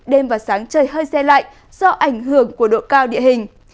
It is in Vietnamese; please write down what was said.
đêm và sáng trời hơi xe lạnh do ảnh hưởng của độ cao địa hình